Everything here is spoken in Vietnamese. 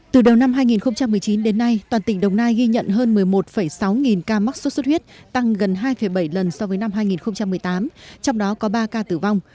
từ đầu năm hai nghìn một mươi chín đến nay toàn tỉnh đồng nai ghi nhận hơn một mươi một sáu nghìn ca mắc sốt xuất huyết tăng gần hai bảy lần so với năm hai nghìn một mươi tám trong đó có ba ca tử vong